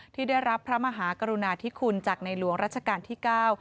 ที่ได้รับพระมหากรุณาธิคุณจากในหลวงรัชกาลที่เก้า